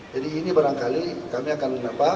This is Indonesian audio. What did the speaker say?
jadi ini barangkali kami akan kenapa